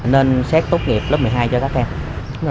nên xét tốt nghiệp lớp một mươi hai cho các em